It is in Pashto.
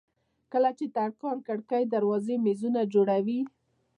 کله چې ترکاڼ کړکۍ دروازې او مېزونه جوړوي.